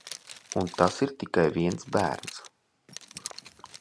Un tas ir tikai viens bērns...